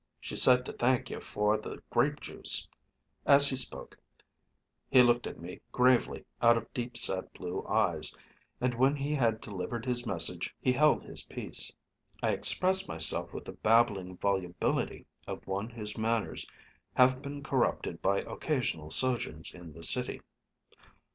She said to thank you for the grape juice." As he spoke he looked at me gravely out of deep set blue eyes, and when he had delivered his message he held his peace. I expressed myself with the babbling volubility of one whose manners have been corrupted by occasional sojourns in the city.